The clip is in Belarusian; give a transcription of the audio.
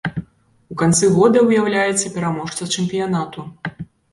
У канцы года выяўляецца пераможца чэмпіянату.